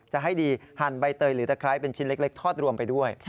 จะให้ดีหั่นใบเตยหรือตะไคร้เป็นชิ้นเล็กทอดรวมไปด้วย